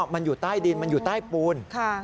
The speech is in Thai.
มันอยู่ใต้ดินมันอยู่ใต้ปูน